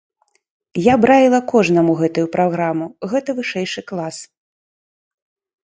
Я б раіла кожнаму гэтую праграму, гэта вышэйшы клас.